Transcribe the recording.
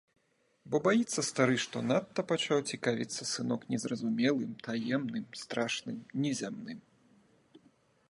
Бо баіцца стары, што надта пачаў цікавіцца сынок незразумелым, таемным, страшным, незямным.